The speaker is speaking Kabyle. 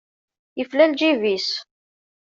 Yefla lǧib-is.